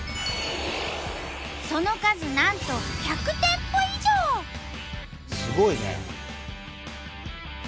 その数なんとすごいね！